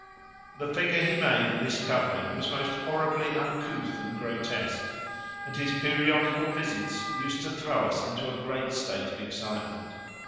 The figure he made in this covering was most horribly uncouth and grotesque, and his periodical visits used to throw us into a great state of excitement.